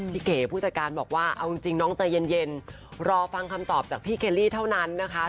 เก๋ผู้จัดการบอกว่าเอาจริงน้องใจเย็นรอฟังคำตอบจากพี่เคลลี่เท่านั้นนะคะ